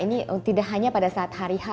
ini tidak hanya pada saat hari h